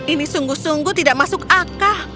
ini sungguh sungguh tidak masuk akal